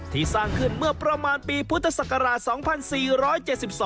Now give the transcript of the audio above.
สร้างขึ้นเมื่อประมาณปีพุทธศักราช๒๔๗๒